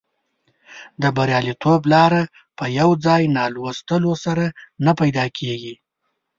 د بریالیتوب لاره په یو ځای ناستلو سره نه پیدا کیږي.